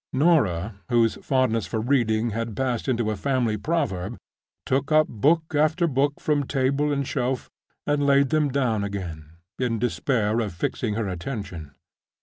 Norah, whose fondness for reading had passed into a family proverb, took up book after book from table and shelf, and laid them down again, in despair of fixing her attention.